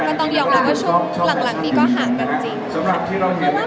เพราะว่าหนูเกรงใจทุกฝ่ายที่เกี่ยวข้อ